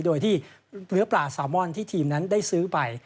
โดยที่เนื้อปลาซาวมอนที่ทีมนั้นได้ซื้อไป